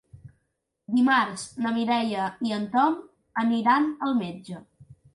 Dimarts na Mireia i en Tom aniran al metge.